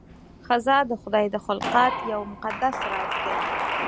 ښځه د خدای د خلقت یو مقدس راز دی.